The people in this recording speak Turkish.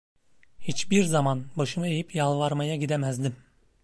Hiçbir zaman başımı eğip yalvarmaya gidemezdim.